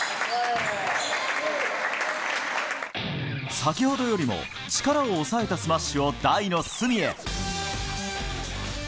先ほどよりも力を抑えたスマッシュを台の隅へ。